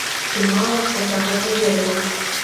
І мала хто пра гэта ведаў.